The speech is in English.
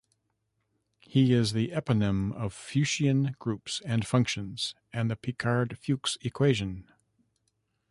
He is the eponym of Fuchsian groups and functions, and the Picard-Fuchs equation.